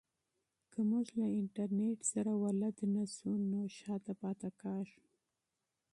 که موږ له انټرنیټ سره بلد نه سو نو وروسته پاتې کیږو.